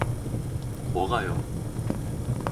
뭐가요?